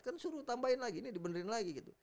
kan suruh tambahin lagi ini dibenerin lagi gitu